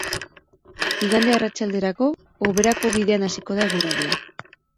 Igande arratsalderako, hoberako bidean hasiko da eguraldia.